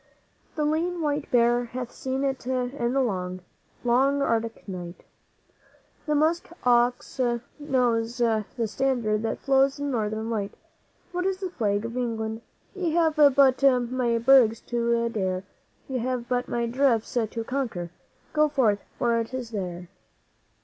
'The lean white bear hath seen it in the long, long Arctic night, The musk ox knows the standard that flouts the Northern Light: What is the Flag of England? Ye have but my bergs to dare, Ye have but my drifts to conquer. Go forth, for it is there!'